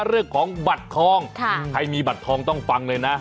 เรื่องของบัตรทองใครมีบัตรทองต้องฟังเลยนะ